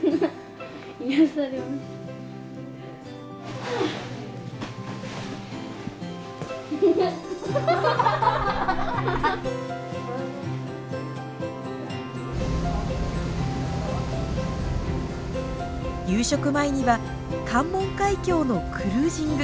夕食前には関門海峡のクルージング！